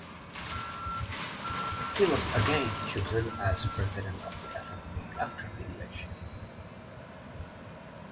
He was again chosen as president of the assembly after the election.